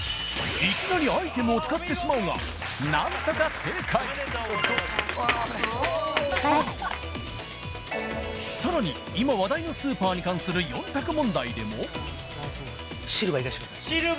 いきなりアイテムを使ってしまうが何とか正解さらに今話題のスーパーに関する４択問題でもシルバーいかしてください